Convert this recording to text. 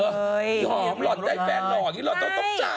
เธอหอมรถมีใจแฟนหล่อแล้วก็ต้องจ่าย